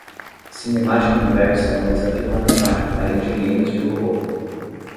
Cinemática inversa é um desafio matemático para engenheiros de robô.